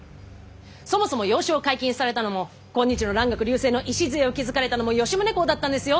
そもそも洋書を解禁されたのも今日の蘭学隆盛の礎を築かれたのも吉宗公だったんですよ。